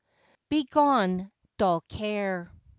BEGONE DULL CARE.